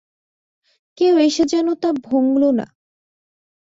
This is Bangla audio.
কেউ এসে যেন তা ভঙুল না।